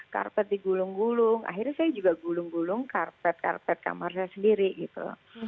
karpet digulung gulung akhirnya saya juga gulung gulung karpet karpet kamar saya sendiri gitu